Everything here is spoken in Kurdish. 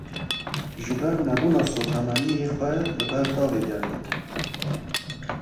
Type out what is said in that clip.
Ji ber nebûna sotemeniyê xwe li ber tavê germ dikin.